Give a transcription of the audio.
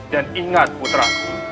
dan ingat putra